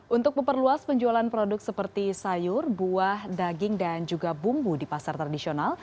untuk memperluas penjualan produk seperti sayur buah daging dan juga bumbu di pasar tradisional